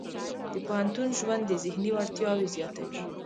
د پوهنتون ژوند د ذهني وړتیاوې زیاتوي.